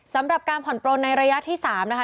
สำหรับการผ่อนปลนในระยะที่๓นะคะ